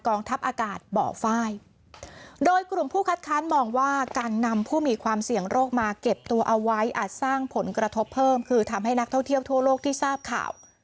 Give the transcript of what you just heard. ทัพอากาศบ่อไฟโดยกลุ่มผู้คัดค้านมองว่าการนำผู้มีความเสี่ยงโรคมาเก็บตัวเอาไว้อาจสร้างผลกระทบเพิ่มคือทำให้นักท่องเที่ยวทั่วโลกที่ทราบข่าว